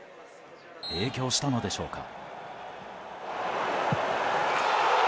影響したのでしょうか。